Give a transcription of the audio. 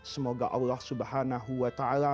semoga allah swt